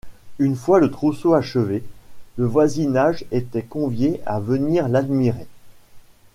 Une fois le trousseau achevé, le voisinage était convié à venir l'admirer.